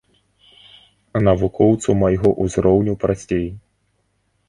Навукоўцу майго ўзроўню прасцей.